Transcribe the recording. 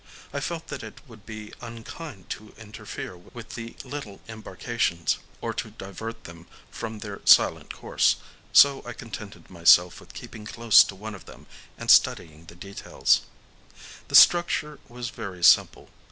I felt that it would be unkind to interfere with the little embarcations, or to divert them from their silent course: so I contented myself with keeping close to one of them, and studying its details. [Illustration: The Lights of the Dead] The structure was very simple.